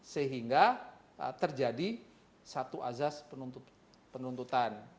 sehingga terjadi satu azas penuntutan